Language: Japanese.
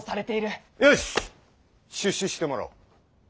よし出仕してもらおう。